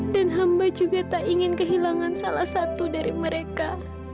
dan hamba juga tak ingin kehilangan salah satu dari mereka